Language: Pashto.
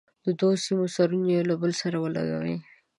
د دوو سیمونو سرونه یو له بل سره ولګوئ.